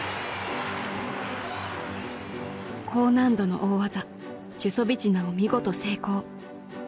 高難度の大技チュソビチナを見事成功。